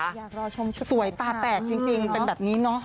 อยากรอชมชุดสวยตาแตกจริงเป็นแบบนี้เนอะ